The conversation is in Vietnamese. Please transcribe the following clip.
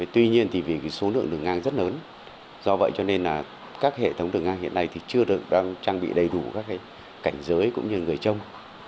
tuy nhiên thì vì số lượng đường ngang rất lớn do vậy cho nên là các hệ thống đường ngang hiện nay thì chưa được trang bị đầy đủ các cảnh giới cũng như người trông